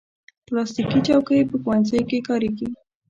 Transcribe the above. پلاستيکي چوکۍ په ښوونځیو کې کارېږي.